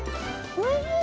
おいしい？